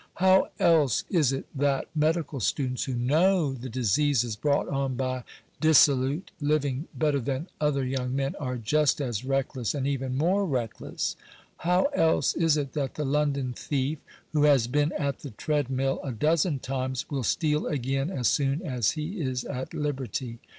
How else is it that medical students, who know the diseases brought on by disso lute living better than other young men, are just as reckless, and even more reckless ? How else is it that the London thief, Digitized by VjOOQIC NATIONAL EDUCATION. 851 who has been at the treadmill a dozen times, will steal again as soon as he is at liberty